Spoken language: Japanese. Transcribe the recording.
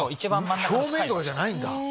表面とかじゃないんだ。